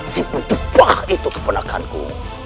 si berjubah itu kepenakanku